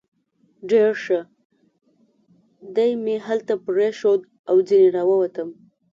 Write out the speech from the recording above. ډېر ښه، دی مې همدلته پرېښود او ځنې را ووتم.